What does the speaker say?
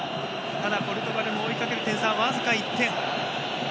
ただポルトガルも追いかける点差僅か１点。